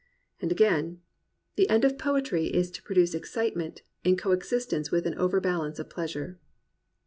And again: "The end of Poetry is to produce excitement, in co existence with an over balance of pleasure."